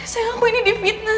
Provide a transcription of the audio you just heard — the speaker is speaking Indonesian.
sayang aku ini di fitnah